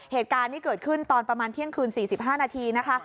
เหตุการณ์นี้เกิดขึ้นตอนประมาณเที่ยงคืน๔๕นาทีนะคะ